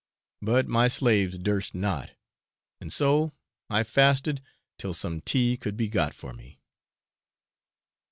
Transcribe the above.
But my slaves durst not, and so I fasted till some tea could be got for me.